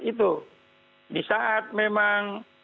itu disaat memang